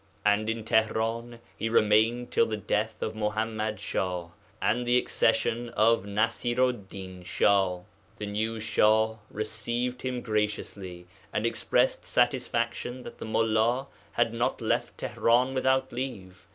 And in Tihran he remained till the death of Muḥammad Shah, and the accession of Nasiru'd din Shah. The new Shah received him graciously, and expressed satisfaction that the Mullā had not left Tihran without leave.